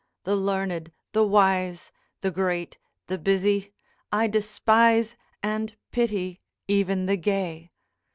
the learned, the wise, The great, the busy, I despise, And pity even the gay.